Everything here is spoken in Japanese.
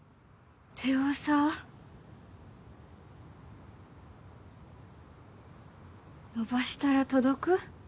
手をさ、伸ばしたら届く？